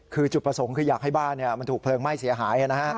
คือจุดประสงค์คืออยากให้บ้านมันถูกเพลิงไหม้เสียหายนะฮะ